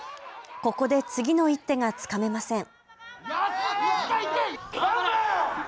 ここで次の一手がつかめません。